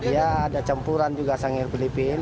iya ada campuran juga sanggir filipin